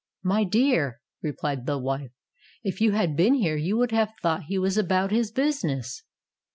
"My dear," replied the wife, "if you had been here, you would have thought he was about his business."